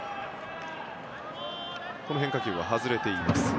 この変化球は外れています。